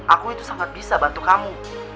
aku itu sangat bisa bantu kamu